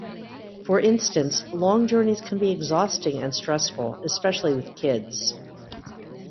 For instance, long journeys can be exhausting and stressful, especially with kids.